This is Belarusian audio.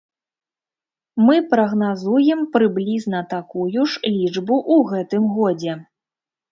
Мы прагназуем прыблізна такую ж лічбу ў гэтым годзе.